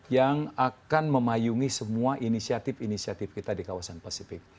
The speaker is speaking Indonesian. yang akan memayungi semua inisiatif inisiatif kita di kawasan pasifik